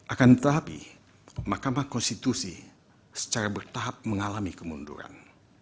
akan tetapi mahkamah konstitusi secara bertahap mengalami kemunduran